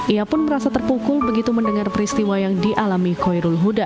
ia pun merasa terpukul begitu mendengar peristiwa yang dialami khoirul huda